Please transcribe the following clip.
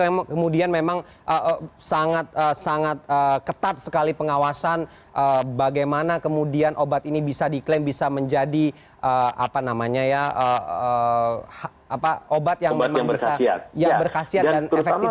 artinya kemudian memang sangat sangat ketat sekali pengawasan bagaimana kemudian obat ini bisa diklaim bisa menjadi obat yang berkhasiat dan efektif